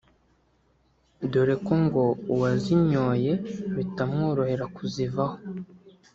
dore ko ngo uwazinyoye bitamworohera kuzivaho